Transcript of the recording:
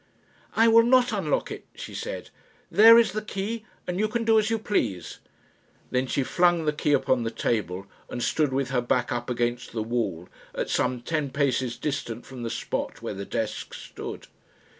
"I will not unlock it," she said; "there is the key, and you can do as you please." Then she flung the key upon the table, and stood with her back up against the wall, at some ten paces distant from the spot where the desk stood.